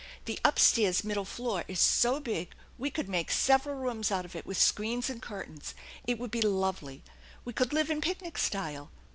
The up stairs middle floor is so big we could make several rooms out of it with screens and curtains. It would be lovely. We could live in picnic style.